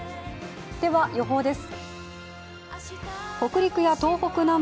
では予報です。